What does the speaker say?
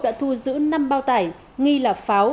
đã thu giữ năm bao tải nghi là pháo